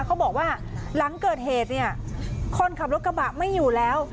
เขาบอกว่าหลังเกิดเหตุเนี่ยคนขับรถกระบะไม่อยู่แล้ว